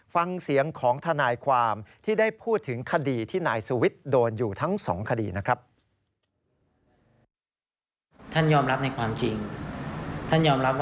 ฟังเสียงของทนายความที่ได้พูดถึงคดีที่นายสุวิทย์โดนอยู่ทั้ง๒คดีนะครับ